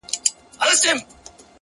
د خاموش پارک فضا د ذهن سرعت کموي!.